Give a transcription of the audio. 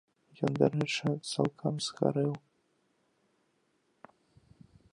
Ён, дарэчы, цалкам згарэў.